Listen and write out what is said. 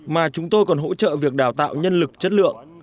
mà chúng tôi còn hỗ trợ việc đào tạo nhân lực chất lượng